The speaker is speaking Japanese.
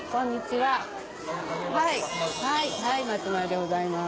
はい松丸でございます。